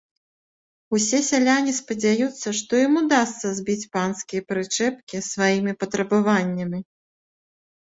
Усе сяляне спадзяюцца, што ім удасца збіць панскія прычэпкі сваімі патрабаваннямі.